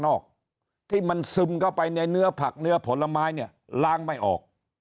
อกที่มันซึมเข้าไปในเนื้อผักเนื้อผลไม้เนี่ยล้างไม่ออก